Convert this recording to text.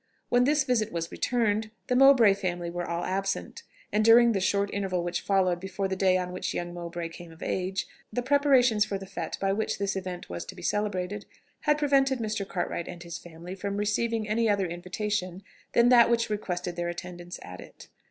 When this visit was returned, the Mowbray family were all absent; and during the short interval which followed before the day on which young Mowbray came of age, the preparations for the fête by which this event was to be celebrated had prevented Mr. Cartwright and his family from receiving any other invitation than that which requested their attendance at it.